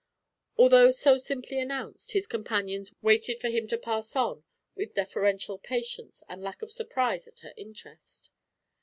Although so simply announced, his companions waited for him to pass on with deferential patience and lack of surprise at her interest.